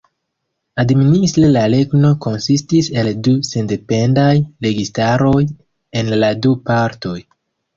Administre la regno konsistis el du sendependaj registaroj en la du partoj.